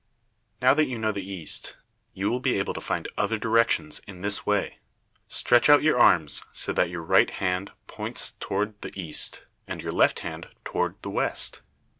Now that you know the east, you will be able to find other directions in this way: Stretch out your arms so that your right hand points toward the east, and your left hand toward the west.